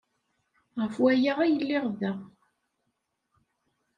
Ɣef waya ay lliɣ da.